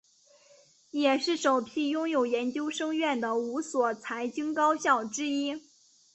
也是首批拥有研究生院的五所财经高校之一。